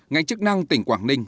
ngành chức năng tỉnh quảng ninh